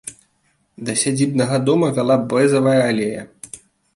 Да сядзібнага дома вяла бэзавая алея.